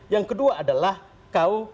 yang kedua adalah kau